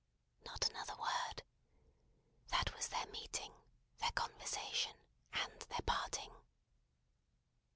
Not another word. That was their meeting, their conversation, and their parting.